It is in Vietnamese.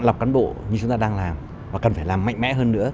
lọc cán bộ như chúng ta đang làm và cần phải làm mạnh mẽ hơn nữa